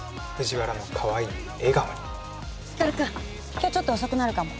今日ちょっと遅くなるかも。